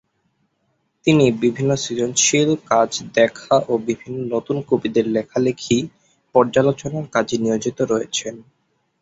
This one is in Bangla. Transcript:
তিনি বিভিন্ন সৃজনশীল কাজ দেখা ও বিভিন্ন নতুন কবিদের লেখালেখি পর্যালোচনার কাজে নিয়োজিত রয়েছেন।